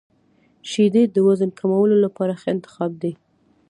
• شیدې د وزن کمولو لپاره ښه انتخاب دي.